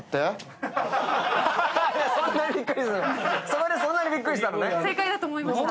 そこでそんなにびっくりしたのね。